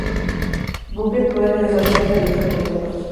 Bucket puede deshacerse de los reporteros.